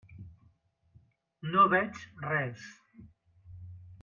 No veig res.